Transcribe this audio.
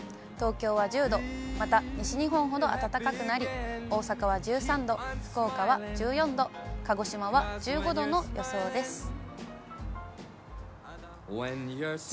東京は１０度、また西日本ほど暖かくなり、大阪は１３度、福岡は１４度、鹿児島は１５度の予想です。